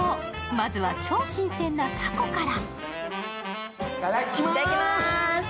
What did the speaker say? まずは超新鮮のたこから。